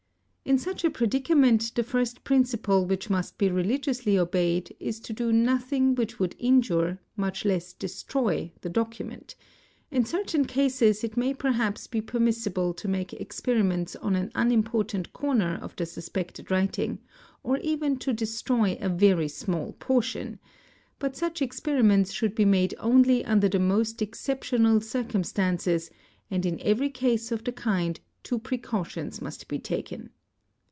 In such a predicament the first principle which must be religiously obeyed is to do nothing which could injure, much less destroy, | the document; in certain cases it may perhaps be permissible to make experiments on an unimportant corner of the suspected writing, or even to destroy a very small portion, but such experiments should be made only under the most exceptional circumstances and in every case of the kind + two precautions must be taken.